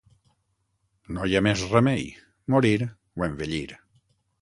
No hi ha més remei: morir o envellir.